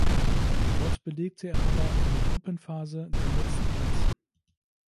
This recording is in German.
Dort belegte er aber in der Gruppenphase den letzten Platz.